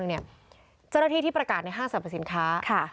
เจ้าหน้าที่ที่ประกาศในห้างสรรพสินค้า